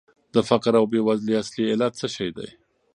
د فقر او بېوزلۍ اصلي علت څه شی دی؟